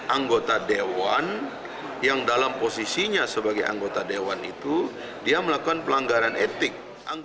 anggota dewan yang dalam posisinya sebagai anggota dewan itu dia melakukan pelanggaran etik